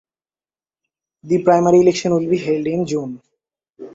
The primary election will be held in June.